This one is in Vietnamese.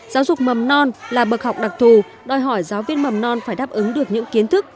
giáo dục mầm non là bậc học đặc thù đòi hỏi giáo viên mầm non phải đáp ứng được những kiến thức